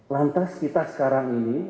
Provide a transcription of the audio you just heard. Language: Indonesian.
lantas kita sekarang ini